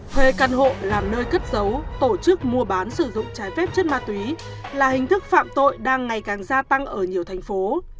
thuê căn hộ làm nơi cất giấu tổ chức mua bán sử dụng trái phép chất ma túy là hình thức phạm tội đang ngày càng gia tăng ở nhiều thành phố